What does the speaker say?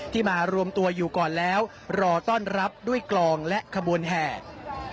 มารวมตัวอยู่ก่อนแล้วรอต้อนรับด้วยกลองและขบวนแห่